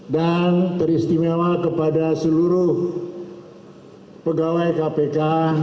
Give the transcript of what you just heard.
dan teristimewa kepada seluruh pegawai kpk